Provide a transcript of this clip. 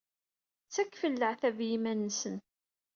Ttakfen leɛtab i yiman-nsen.